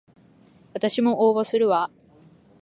わたしも応募するわ